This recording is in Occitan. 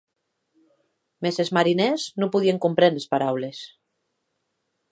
Mès es marinèrs non podien compréner es paraules.